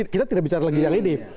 kita tidak bicara lagi yang ini